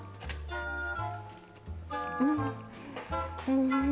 うん。